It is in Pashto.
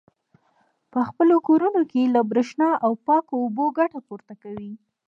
په خپلو کورونو کې له برېښنا او پاکو اوبو ګټه پورته کوي.